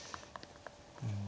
うん。